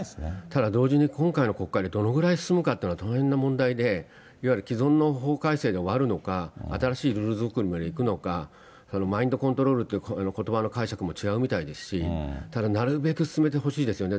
ただ、同時に今回の国会でどのぐらい進むかっていうのは、大変な問題で、いわゆる既存の法改正で終わるのか、新しいルール作りまでいくのか、マインドコントロールということばの解釈も違うみたいですし、ただ、なるべく進めてほしいですよね。